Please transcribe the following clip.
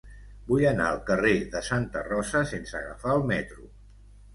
Vull anar al carrer de Santa Rosa sense agafar el metro.